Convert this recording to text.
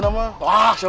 nah angin tinggi anet an